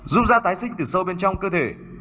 giúp da tái sinh từ sâu bên trong cơ thể